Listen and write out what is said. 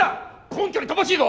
根拠に乏しいぞ！